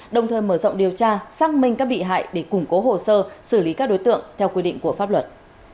đồng thời mở rộng điều tra xác minh các bị hại để củng cố hồ sơ xử lý các đối tượng theo quy định của pháp luật